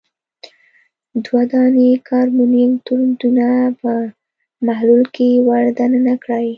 دوه دانې کاربني الکترودونه په محلول کې ور د ننه کړئ.